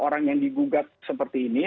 orang yang digugat seperti ini